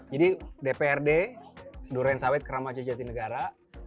jadi dprd durensawit kramaca jatinegara